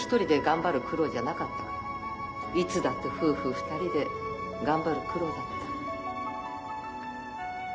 いつだって夫婦２人で頑張る苦労だった。